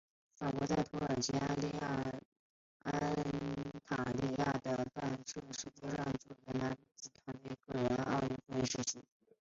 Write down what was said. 法国在土耳其安塔利亚举办的射箭世界杯上获得男子团体和个人的奥运席位。